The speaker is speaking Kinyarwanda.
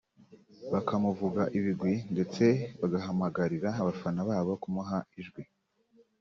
bakamuvuga ibigwi ndetse bagahamagarira abafana babo kumuha ijwi